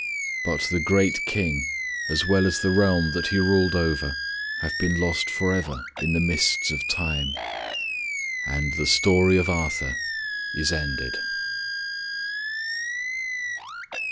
But the great King as well as the realm that he ruled over have been lost forever in the mists of time. And the story of Arthur is ended.